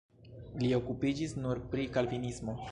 Li okupiĝis nur pri kalvinismo.